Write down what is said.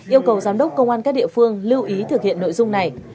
yêu cầu giám đốc công an các địa phương lưu ý thực hiện nội dung này